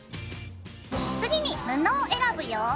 次に布を選ぶよ。